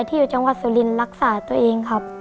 อยู่จังหวัดสุรินทร์รักษาตัวเองครับ